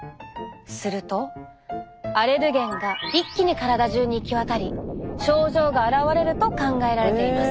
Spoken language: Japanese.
するとアレルゲンが一気に体中に行き渡り症状が現れると考えられています。